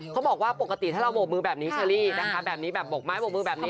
เขาบอกว่าปกติถ้าเราโบกมือแบบนี้เชอรี่นะคะแบบนี้แบบโบกไม้โบกมือแบบนี้